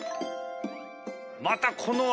また。